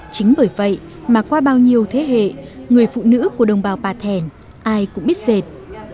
chính bởi vậy mà qua bao nhiêu thế hệ người phụ nữ của đồng bào bà thèn ai cũng biết dệt